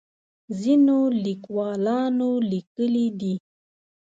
ځینو لیکوالانو لیکلي دي.